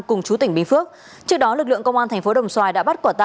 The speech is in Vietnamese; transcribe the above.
cùng chú tỉnh bình phước trước đó lực lượng công an thành phố đồng xoài đã bắt quả tàng